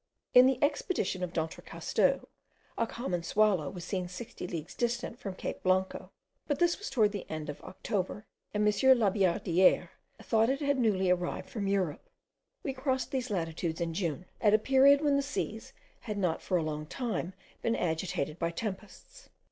In the expedition of d'Entrecasteaux, a common swallow was seen 60 leagues distant from Cape Blanco; but this was towards the end of October, and M. Labillardiere thought it had newly arrived from Europe. We crossed these latitudes in June, at a period when the seas had not for a long time been agitated by tempests.